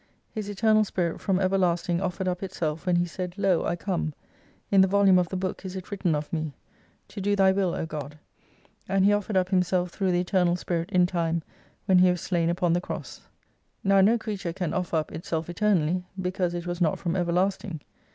His Eternal Spirit from ever lasting offered up itself, when He said, Lo, I come: in the volume of the Book is it ivritten of me: to do Thy zviU, O God : and He offered up Himself through the Eternal Spirit in time when He was slain upon the Cross. Now no creature can offer up itself eternally, because it was not from everlasting.